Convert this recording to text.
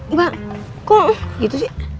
mbak kok gitu sih